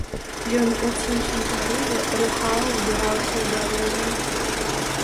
Ён у ціхім парыве рухава збіраўся ў дарогу.